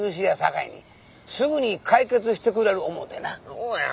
そうや。